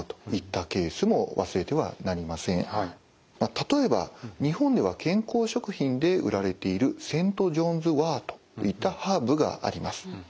例えば日本では健康食品で売られているセントジョーンズワートといったハーブがあります。